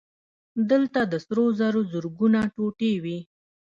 دلته د سرو زرو زرګونه ټوټې وې